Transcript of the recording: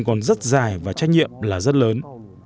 còn rất dài và trách nhiệm là rất lớn